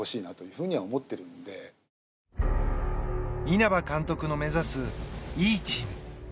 稲葉監督の目指すいいチーム。